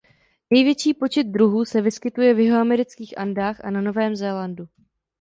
Největší počet druhů se vyskytuje v jihoamerických Andách a na Novém Zélandu.